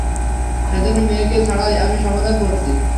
সেজন্য, মেয়েকে ছাড়াই আমি সমাধান করছি।